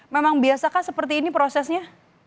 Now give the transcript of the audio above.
memang biasa kan seperti ini prosesnya